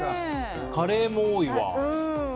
カレーも多いわ。